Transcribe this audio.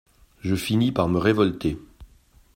Je finis par me révolter.